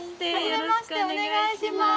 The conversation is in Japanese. よろしくお願いします。